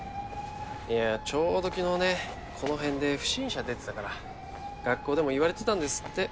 いやちょうど昨日ねこの辺で不審者出てたから学校でも言われてたんですって。